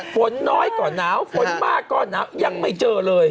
ฝนน้อยก็หนาวฝนมากก็หนาวยังไม่เจอเลย